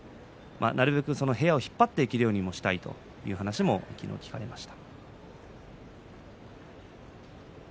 部屋を引っ張っていけるようにしたいという話も聞かれました。